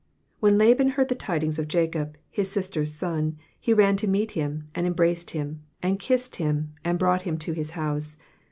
_—When Laban heard the tidings of Jacob, his sister's son, he ran to meet him, and embraced him, and kissed him, and brought him to his house.